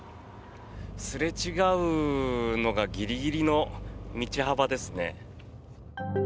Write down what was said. すれ違うのがギリギリの道幅ですね。